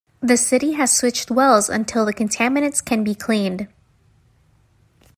The city has switched wells until the contaminants can be cleaned.